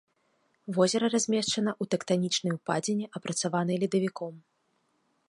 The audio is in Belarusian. Возера размешчана ў тэктанічнай упадзіне, апрацаванай ледавіком.